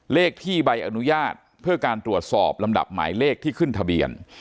เลขที่ใบอนุญาตเพื่อการตรวจสอบลำดับหมายเลขที่ขึ้นทะเบียน